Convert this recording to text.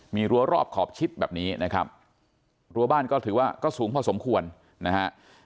มีรั้วรอบขอบชิดแบบนี้นะครับรั้วบ้านก็ถือว่าก็สูงพอสมควรนะฮะ